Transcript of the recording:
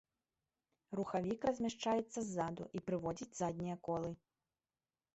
Рухавік размяшчаецца ззаду і прыводзіць заднія колы.